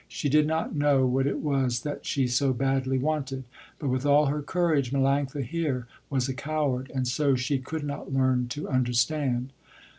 She did not know what it was that she so badly wanted, but with all her courage Melanctha here was a coward, and so she could not learn to understand.